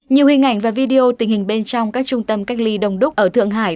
nhiều hình ảnh và video tình hình bên trong các trung tâm cách ly đồng đúc ở thượng hải